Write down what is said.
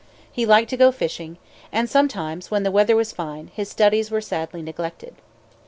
He liked to go fishing. And sometimes, when the weather was fine, his studies were sadly neglected.